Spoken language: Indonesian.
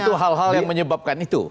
itu hal hal yang menyebabkan itu